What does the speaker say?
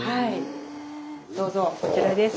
どうぞこちらです。